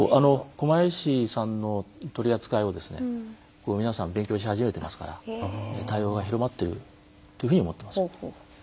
狛江市さんの取り扱いを皆さん勉強し始めてますから対応が広まっているというふうに思っています。